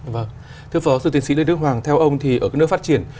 vâng thưa phó sư tiến sĩ lê đức hoàng theo ông thì ở các nước phát triển